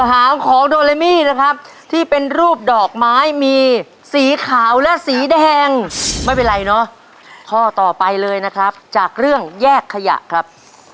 หางของโดเรมี่นะครับที่เป็นรูปดอกไม้มีสีขาวและสีแดงไม่เป็นไรเนอะข้อต่อไปเลยนะครับจากเรื่องแยกขยะครับ